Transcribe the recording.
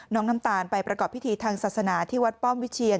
น้ำตาลไปประกอบพิธีทางศาสนาที่วัดป้อมวิเชียน